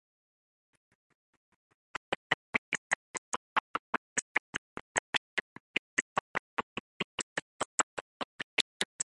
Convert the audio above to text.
One of the strengths of "Inception" is its thought-provoking themes and philosophical implications.